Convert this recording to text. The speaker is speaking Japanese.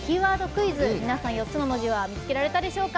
クイズ皆さん、４つの文字は見つけられたでしょうか。